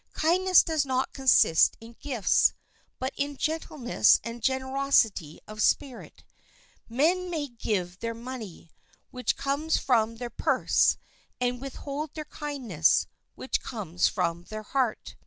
Kindness does not consist in gifts, but in gentleness and generosity of spirit. Men may give their money, which comes from their purse, and withhold their kindness, which comes from the heart.